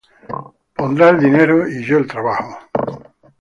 Él pondrá el dinero y yo el trabajo.